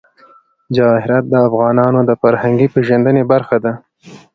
جواهرات د افغانانو د فرهنګي پیژندنې برخه ده.